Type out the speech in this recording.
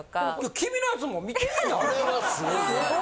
君のやつも見てみぃ